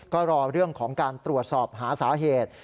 ก็รอเรื่องของการตรวจสอบหาสาเหตุ